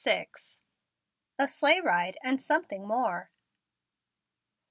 A SLEIGH RIDE AND SOMETHING MORE.